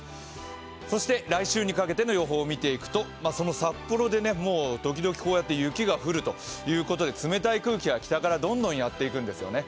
そして来週にかけての予報をみていくと札幌でもう時々こうやって雪が降るということで、冷たい空気が北からどんどんやってくるんですよね。